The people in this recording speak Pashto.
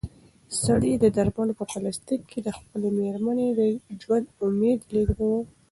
سړي د درملو په پلاستیک کې د خپلې مېرمنې د ژوند امید لېږداوه.